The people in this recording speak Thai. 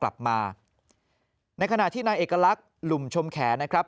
กลับมาในขณะที่นายเอกลักษณ์หลุมชมแขนนะครับ